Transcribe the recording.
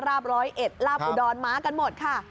ราบร้อยเอ็ดลาบอุดรม้ากันหมดค่ะ